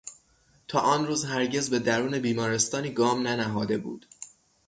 تا آن روز هرگز به درون بیمارستانی گام ننهاده بود.